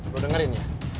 lo dengerin ya